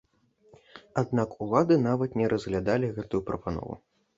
Аднак улады нават не разглядалі гэтую прапанову.